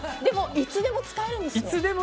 いつでも使えるんですよ。